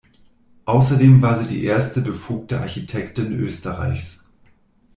Außerdem war sie die erste befugte Architektin Österreichs.